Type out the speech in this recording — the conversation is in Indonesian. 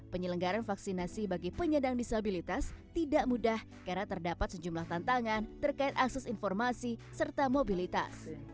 penyelenggaran vaksinasi bagi penyandang disabilitas tidak mudah karena terdapat sejumlah tantangan terkait akses informasi serta mobilitas